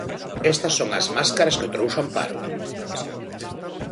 Estas son as máscaras que trouxo Amparo.